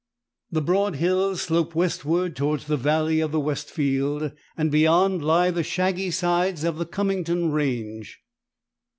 The broad hills slope westward towards the valley of the Westfield, and beyond lie the shaggy sides of the Cummington range.